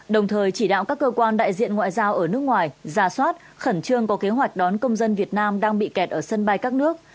đồng thời chỉ đạo các cơ quan đại diện ngoại giao ở nước ngoài ra soát khẩn trương có kế hoạch đón công dân việt nam đang bị kẹt ở sân bay các nước